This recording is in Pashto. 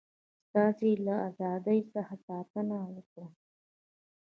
ستاسي له ازادی څخه ساتنه وکړم.